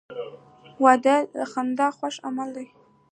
• واده د خدای خوښ عمل دی.